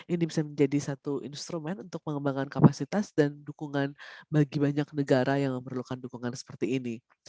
ini bisa menjadi satu instrumen untuk mengembangkan kapasitas dan dukungan bagi banyak negara yang memerlukan dukungan seperti ini